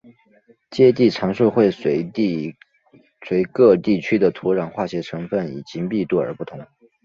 接地常数会随各地区的土壤化学成份以及密度而不同。